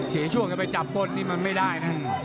เสียช่วงกันไปจับต้นนี่มันไม่ได้นะ